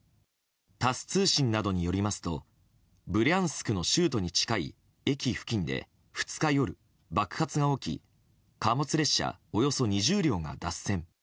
タス通信などによりますとブリャンスクの州都に近い駅付近で２日夜、爆発が起き貨物列車およそ２０両が脱線。